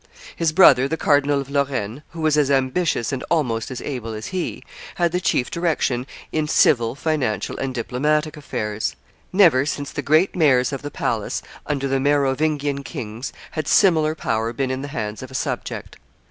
His brother, the Cardinal of Lorraine, who was as ambitious and almost as able as he, had the chief direction in civil, financial, and diplomatic affairs; never, since the great mayors of the palace under the Merovingian kings, had similar power been in the hands of a subject.